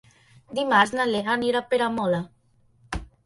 Dimarts na Lea anirà a Peramola.